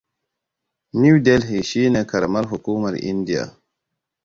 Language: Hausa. New Delhi shi ne karamar hukumar India.